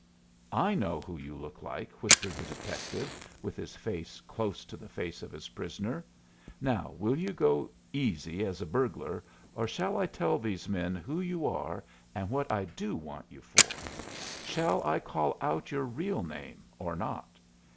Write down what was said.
"I know who you look like," whispered the detective, with his face close to the face of his prisoner. "Now, will you go easy as a burglar, or shall I tell these men who you are and what I do want you for? Shall I call out your real name or not?